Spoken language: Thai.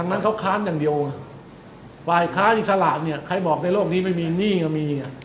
นั้นเขาค้านอย่างเดียวไงฝ่ายค้าอิสระเนี่ยใครบอกในโลกนี้ไม่มีหนี้ก็มีไง